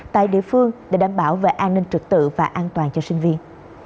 tại địa phương để đảm bảo về an ninh trực tự và an toàn cho sinh viên